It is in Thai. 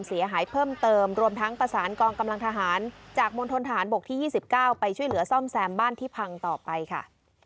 แสมบ้านที่พังต่อไปค่ะ